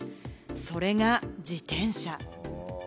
それが自転車。